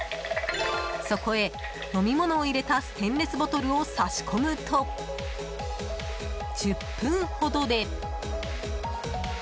そこへ飲み物を入れたステンレスボトルを差し込むと１０分ほどで。